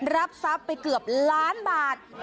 รับทรัพย์ไปเกือบล้านบาท